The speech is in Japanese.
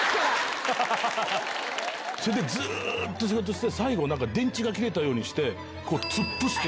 それでずっと仕事して最後電池が切れたようにして。